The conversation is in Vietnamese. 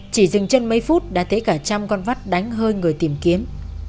chỉ dừng chân mấy phút đã thấy cả trăm con vắt đánh hơi người tìm kiếm